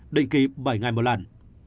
định ký bảy ngày một lần